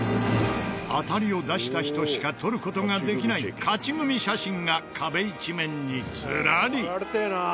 当たりを出した人しか撮る事ができない勝ち組写真が壁一面にずらり！